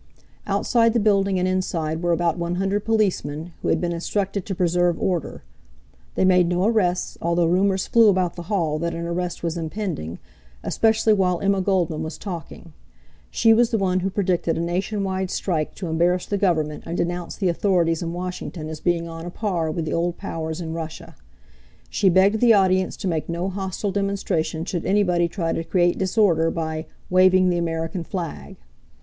Outside the building and inside were about [1?]00 policemen, who had been instructed to preserve order. They made no arrests, although rumors flew about the hall that an arrest was impending, especially while Emma Goldman was talking. She was the one who predicted a nationwide strike to embarrass the Government and denounced the authorities in Washington as being on a par with the old powers in Russia. She begged the audience to make no hostile demonstration should anybody try to create disorder by "waving the American flag."